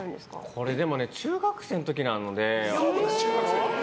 これ、中学生の時なので。